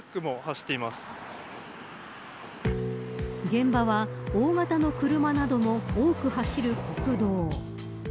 現場は大型の車なども多く走る国道。